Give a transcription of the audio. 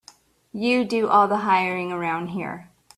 You do all the hiring around here.